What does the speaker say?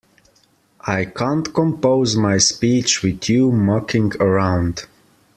I can't compose my speech with you mucking around.